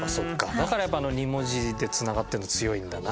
だからやっぱあの２文字でつながってるの強いんだな。